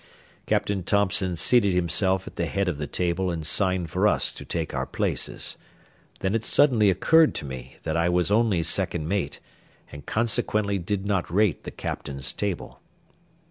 Captain Thompson seated himself at the head of the table and signed for us to take our places; then it suddenly occurred to me that I was only second mate, and consequently did not rate the captain's table.